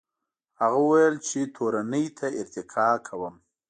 هغه وویل چې تورنۍ ته ارتقا کوم.